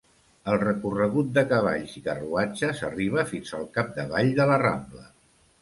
El recorregut de cavalls i carruatges arriba fins al capdavall de la Rambla.